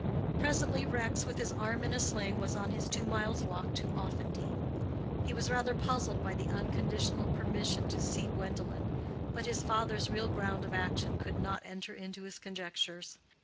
Presently Rex, with his arm in a sling, was on his two miles' walk to Offendene. He was rather puzzled by the unconditional permission to see Gwendolen, but his father's real ground of action could not enter into his conjectures.